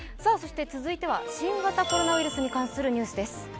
続いては新型コロナウイルスに関するニュースです。